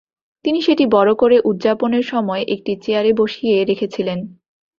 তিনি সেটি বড় করে, উদযাপনের সময়, একটি চেয়ারে বসিয়ে রেখেছিলেন।